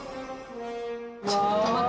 ちょっと待って。